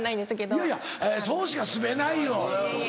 いやいやそうしか住めないよ。